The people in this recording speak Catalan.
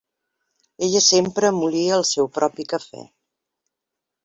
Ella sempre molia el seu propi cafè.